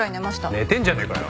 寝てんじゃねえかよ。